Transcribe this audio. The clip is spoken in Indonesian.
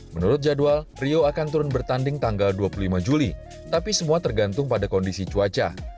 menurut jadwal rio akan turun bertanding tanggal dua puluh lima juli tapi semua tergantung pada kondisi cuaca